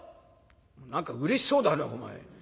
「何かうれしそうだねお前。